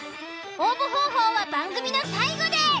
応募方法は番組の最後で。